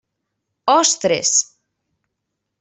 Ostres!